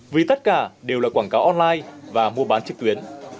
vì tất cả đều là quảng cáo online